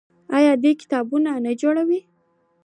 آیا دوی کتابتونونه نه جوړوي؟